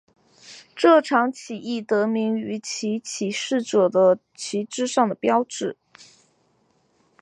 这场起义得名于其起事者的旗帜上的标志。